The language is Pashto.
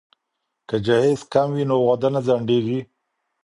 که جهیز کم وي نو واده نه ځنډیږي.